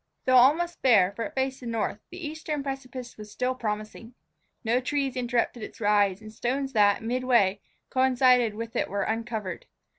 Though almost bare, for it faced the north, the eastern precipice still was promising. No trees interrupted its rise, and the stones that, midway, coincided with it were uncovered.